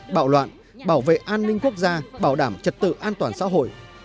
bạo loạn bảo vệ an ninh quốc gia bảo đảm trật tự an toàn xã hội